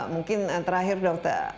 mungkin terakhir dokter